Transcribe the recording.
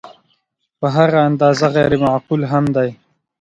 په هغه اندازه غیر معقول هم دی.